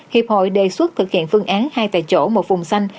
hiệp hội đề xuất thực hiện phương án hai tại chỗ một vùng xanh